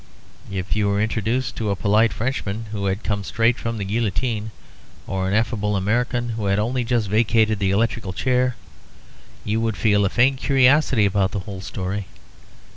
If you were introduced to a polite Frenchman who had come straight from the guillotine, or to an affable American who had only just vacated the electrical chair, you would feel a faint curiosity about the whole story.